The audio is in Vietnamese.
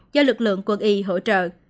do lực lượng quân y hỗ trợ